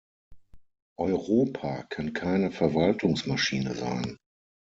Europa kann keine Verwaltungsmaschine sein.